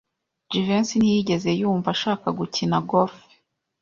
Jivency ntiyigeze yumva ashaka gukina golf.